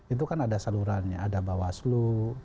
itu kan ada salurannya ada bawaslu